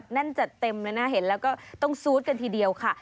นั่นจัดเต็มเลยนะเห็นแล้วก็ต้องซูดกันทีเดียวค่ะ